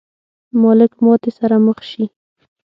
مالک ماتې سره مخ شي.